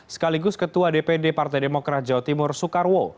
sekaligus ketua dpd partai demokrat jawa timur soekarwo